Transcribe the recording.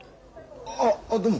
あどうも。